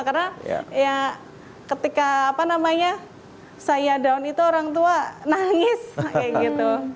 karena ketika saya down itu orang tua nangis kayak gitu